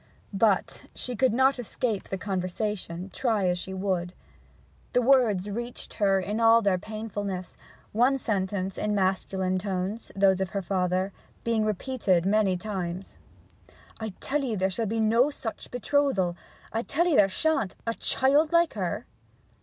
But she could not escape the conversation, try as she would. The words reached her in all their painfulness, one sentence in masculine tones, those of her father, being repeated many times. 'I tell 'ee there shall be no such betrothal! I tell 'ee there sha'n't! A child like her!'